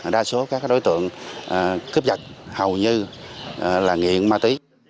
đa số các đối tượng cướp giật hầu như là nghiện ma túy